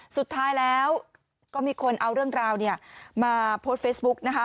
สุดท้ายแล้วก็มีคนเอาเรื่องราวเนี่ยมาโพสต์เฟซบุ๊กนะคะ